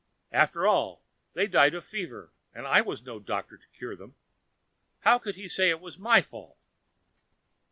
After all, they died of fever, and I was no doctor to cure them. How could he say it was my fault?"